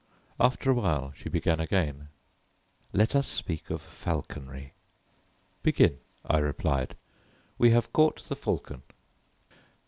After a while she began again: "Let us speak of falconry." "Begin," I replied; "we have caught the falcon."